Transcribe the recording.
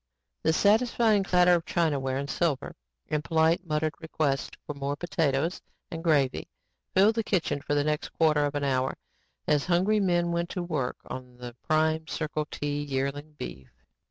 The satisfying clatter of chinaware and silver and polite muttered requests for more potatoes and gravy filled the kitchen for the next quarter of an hour as the hungry men went to work on the prime Circle T yearling beef.